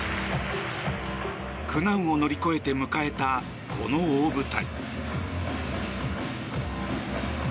苦難を乗り越えて迎えたこの大舞台。